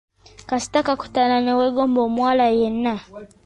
Kasita kakutanda ne weegomba omuwala yenna.